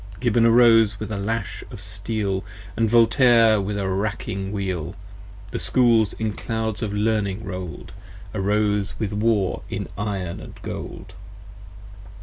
Gibbon arose with a lash of steel, 60 And Voltaire with a wracking wheel : The Schools in clouds of learning roll'd Arose with War in iron & gold.